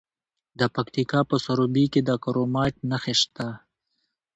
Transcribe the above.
د پکتیکا په سروبي کې د کرومایټ نښې شته.